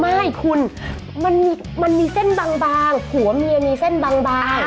ไม่คุณมันมีเส้นบางหัวเมียมีเส้นบาง